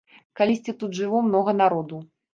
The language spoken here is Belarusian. Калісьці тут жыло многа народу.